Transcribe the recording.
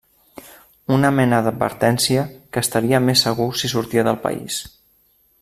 Una mena d'advertència que estaria més segur si sortia del país.